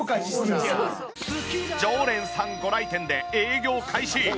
常連さんご来店で営業開始！